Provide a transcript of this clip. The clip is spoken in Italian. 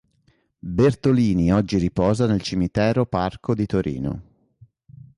Bertolini oggi riposa nel cimitero parco di Torino.